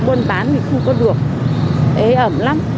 buôn bán thì không có được ế ẩm lắm